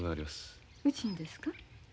うちにですか？